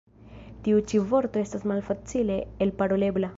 Tiu ĉi vorto estas malfacile elparolebla.